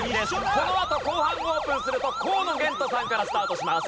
このあと後半オープンすると河野玄斗さんからスタートします。